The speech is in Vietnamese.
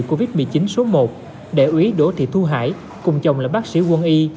bệnh viện covid một mươi chín số một đệ ủy đỗ thị thu hải cùng chồng là bác sĩ quân y